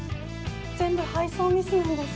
全部配送ミスなんです。